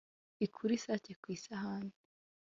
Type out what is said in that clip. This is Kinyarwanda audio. Ikure isake ku isahani,